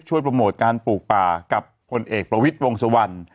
โปรโมทการปลูกป่ากับพลเอกประวิทย์วงสุวรรณ